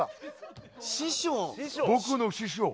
僕の師匠。